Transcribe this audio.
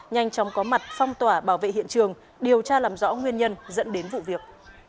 nhanh chóng có mặt phong tỏa bảo vệ hiện trường điều tra làm rõ nguyên nhân dẫn đến vụ việc